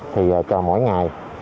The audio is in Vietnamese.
thì cả mỗi ngày